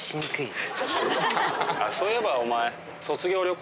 そういえばお前。